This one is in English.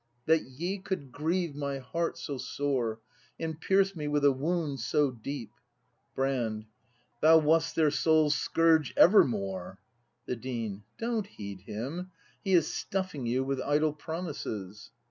That ye could grieve my heart so sore. And pierce me with a wound so deep! Brand. Thou wast their soul's scourge evermore! The Dean. Don't heed him! He is stuffing you With idle promises.